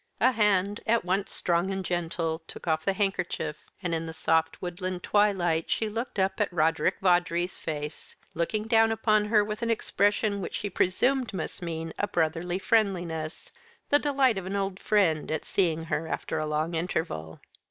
A hand, at once strong and gentle, took off the handkerchief, and in the soft woodland twilight she looked up at Roderick Vawdrey's face, looking down upon her with an expression which she presumed must mean a brotherly friendliness the delight of an old friend at seeing her after a long interval.